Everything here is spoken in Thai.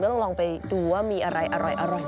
ต้องลองไปดูว่ามีอะไรอร่อย